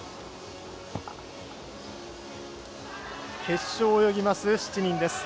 決勝を泳ぎます、７人です。